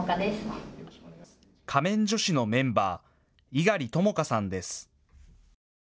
仮面女子のメンバー、猪狩ともかさんです。